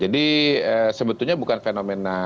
jadi sebetulnya bukan fenomena